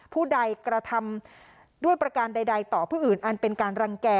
ผู้ใดกระทำด้วยประการใดต่อผู้อื่นอันเป็นการรังแก่